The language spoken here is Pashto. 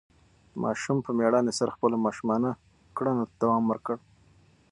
ماشوم په مېړانې سره خپلو ماشومانه کړنو ته دوام ورکړ.